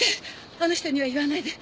あの人には言わないで。